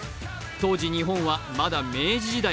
当時、日本はまだ明治時代。